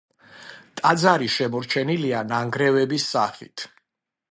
ტაძარი შემორჩენილია ნანგრევების სახით.